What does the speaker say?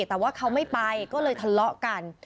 แต่ว่าเขาไม่ไปก็เลยทะเลาะกัน